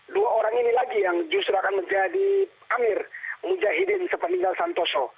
dua orang ini lagi yang justru akan menjadi amir mujahidin sepeninggal santoso